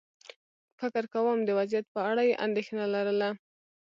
فکر کووم د وضعيت په اړه یې اندېښنه لرله.